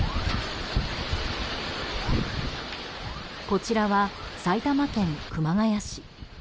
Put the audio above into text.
こちらは埼玉県熊谷市。